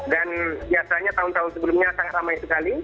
dan biasanya tahun tahun sebelumnya sangat ramai sekali